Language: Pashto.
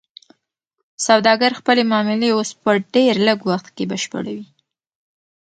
سوداګر خپلې معاملې اوس په ډیر لږ وخت کې بشپړوي.